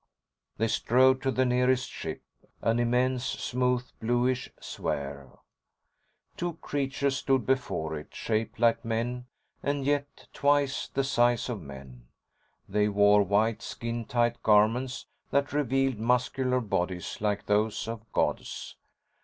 They strode to the nearest ship, an immense, smooth, bluish sphere. Two creatures stood before it, shaped like men and yet twice the size of men. They wore white, skin tight garments that revealed muscular bodies like those of gods.